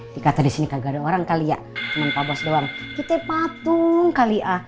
nih kata di sini kagak ada orang kali ya cuma pak bos doang kita patung kali ya